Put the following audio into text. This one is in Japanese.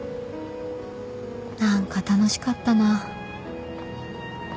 何か楽しかったなぁ